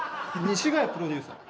西ヶ谷プロデューサー！